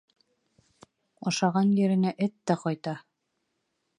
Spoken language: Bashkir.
Ашаған еренә эт тә ҡайта.